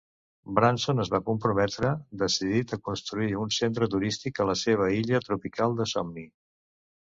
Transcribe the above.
Branson es va comprometre, decidit a construir un centre turístic a la seva illa tropical de somni.